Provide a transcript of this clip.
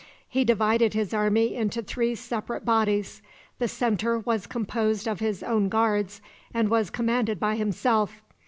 He divided his army into three separate bodies. The centre was composed of his own guards, and was commanded by himself.